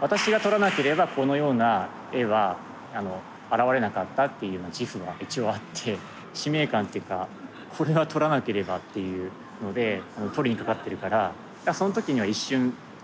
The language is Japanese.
私が撮らなければこのような絵は現れなかったっていうような自負は一応あって使命感っていうかこれは撮らなければっていうので撮りにかかってるからその時には一瞬外界遮断っていう。